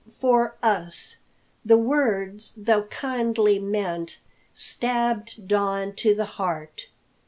"For us!" The words, though kindly meant stabbed Don to the heart.